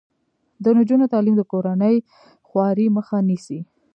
د نجونو تعلیم د کورنۍ خوارۍ مخه نیسي.